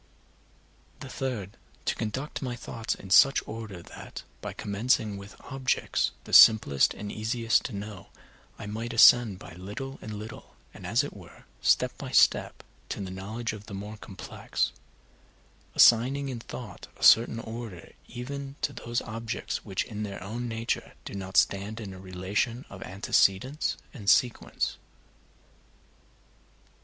The third, to conduct my thoughts in such order that, by commencing with objects the simplest and easiest to know, I might ascend by little and little, and, as it were, step by step, to the knowledge of the more complex; assigning in thought a certain order even to those objects which in their own nature do not stand in a relation of antecedence and sequence.